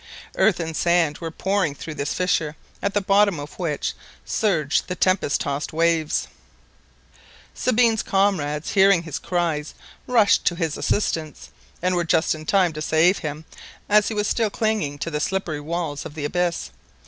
Earth and sand were pouring through this fissure, at the bottom of which surged the tempest tossed waves Sabine's comrades, hearing his cries, rushed to his assistance, and were just in time to save him as he was still clinging to the slippery walls of the abyss.